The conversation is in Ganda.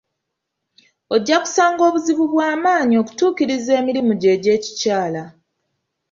Ojja kusanga obuzibu bwa maanyi okutuukiriza emirimu gyo egyekikyala.